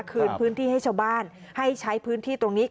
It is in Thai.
คืนพื้นที่ให้ชาวบ้านให้ใช้พื้นที่ตรงนี้